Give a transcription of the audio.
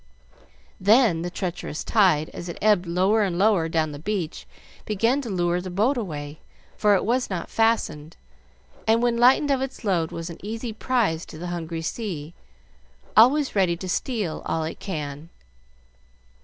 Then the treacherous tide, as it ebbed lower and lower down the beach, began to lure the boat away; for it was not fastened, and when lightened of its load was an easy prize to the hungry sea, always ready to steal all it can.